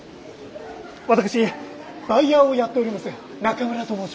私バイヤーをやっております。